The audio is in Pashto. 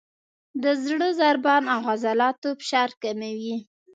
د زړه ضربان او عضلاتو فشار کموي،